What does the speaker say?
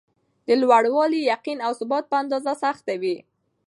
د لوړوالي ،یقین او ثبات په اندازه سخته وي.